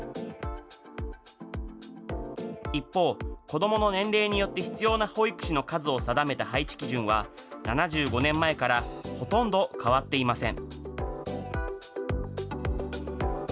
一方、子どもの年齢によって必要な保育士の数を定めた配置基準は、７５年前からほとんど変わっていません。